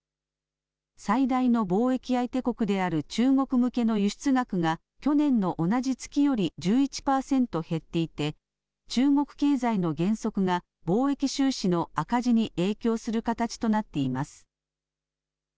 最大の貿易相手国である中国向けの輸出額が去年の同じ月より１１％減っていて中国経済の減速が貿易収支の赤字に影響する形となっています。